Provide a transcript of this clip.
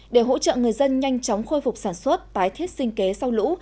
để hỗ trợ người dân nhanh chóng khôi phục sản xuất tái thiết sinh kế sau lũ